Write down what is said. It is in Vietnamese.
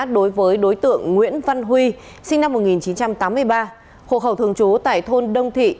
đối với đối tượng nguyễn văn huy sinh năm một nghìn chín trăm tám mươi ba hộ khẩu thường trú tại thôn đông thị